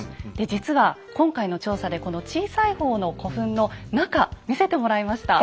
実は今回の調査でこの小さい方の古墳の中見せてもらいました。